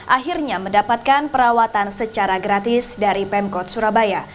akhirnya mendapatkan perawatan secara gratis dari pemkot surabaya